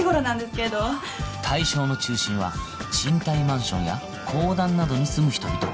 対象の中心は賃貸マンションや公団などに住む人々